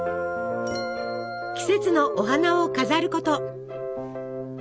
季節のお花を飾ること。